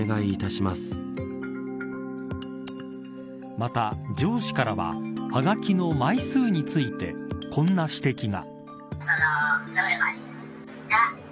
また上司からははがきの枚数についてこんな指摘が。